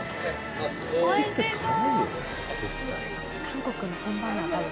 おいしそう。